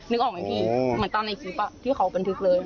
นึกออกไหมพี่เหมือนตามในคลิปที่เขาบันทึกเลย